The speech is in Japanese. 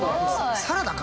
サラダか？